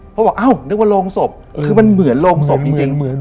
เพราะบอกอ้าวนึกว่าโรงศพคือมันเหมือนโรงศพจริง